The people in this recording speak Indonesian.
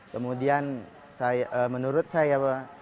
kemudian menurut saya